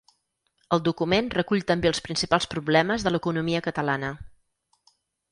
El document recull també els principals problemes de l’economia catalana.